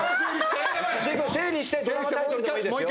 鈴木君整理してドラマタイトルでもいいですよ。